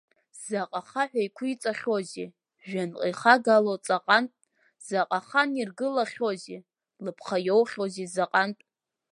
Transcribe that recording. Заҟа хаҳә еиқәиҵахьоузеи, жәҩанҟа ихагало ҵаҟантә, заҟа хан иргылахьоузеи, лыԥха иоухьоузеи заҟантә!